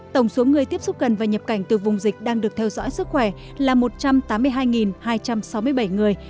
tổng số người tiếp xúc gần và nhập cảnh từ vùng dịch đang được theo dõi sức khỏe là một trăm tám mươi hai hai trăm sáu mươi bảy người